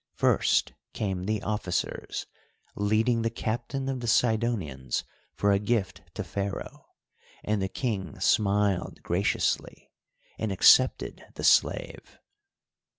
First came the officers, leading the captain of the Sidonians for a gift to Pharaoh, and the King smiled graciously and accepted the slave.